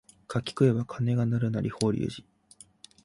柿食えば鐘が鳴るなり法隆寺